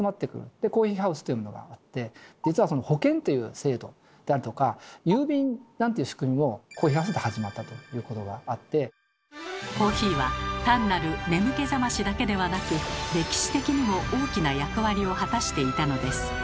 でコーヒーハウスというものがあって実は保険という制度であるとか郵便なんていう仕組みもコーヒーは単なる眠気覚ましだけではなく歴史的にも大きな役割を果たしていたのです。